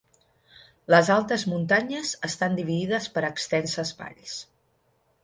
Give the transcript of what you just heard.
Les altes muntanyes estan dividides per extenses valls.